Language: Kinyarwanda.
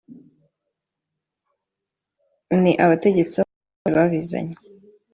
ni abategetsi babakoroni babizanye.